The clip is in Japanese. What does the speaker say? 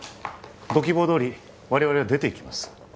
ご希望どおり我々は出ていきます